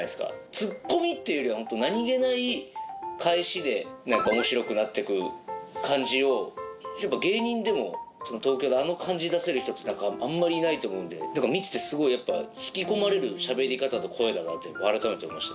ツッコミっていうよりは何げない返しで面白くなって来る感じを芸人でも東京であの感じを出せる人ってあんまりいないと思うんで見ててすごい引き込まれる喋り方と声だなと改めて思いました。